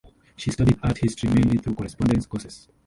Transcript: She studied art history mainly through correspondence courses.